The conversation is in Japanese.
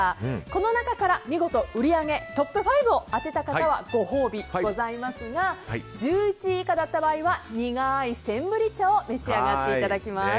この中から見事売り上げトップ５を当てた方はご褒美ございますが１１位以下だった場合は苦いセンブリ茶を召し上がっていただきます。